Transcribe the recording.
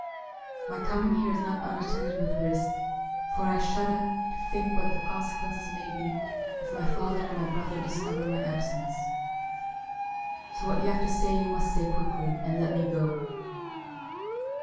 My coming here is not unattended with risk, for I shudder to think what the consequences may be if my father and my brother discover my absence. So what you have to say you must say quickly, and let me go.'